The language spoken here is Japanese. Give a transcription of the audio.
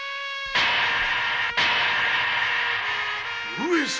上様！？